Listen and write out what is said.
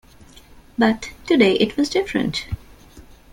But today it was different.